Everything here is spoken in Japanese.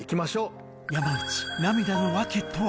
今夜は山内涙の訳とは？